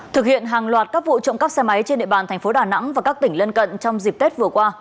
thực hiện hàng loạt các vụ trộm cắp xe máy trên địa bàn thành phố đà nẵng và các tỉnh lân cận trong dịp tết vừa qua